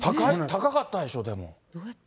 高かったでしょう、でも。